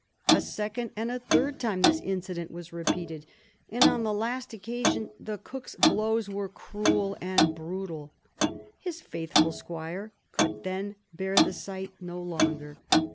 A second and a third time this incident was repeated, and on the last occasion the cook's blows were cruel and brutal. His faithful squire could then bear the sight no longer.